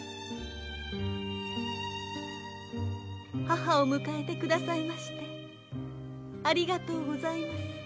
母を迎えてくださいましてありがとうございます。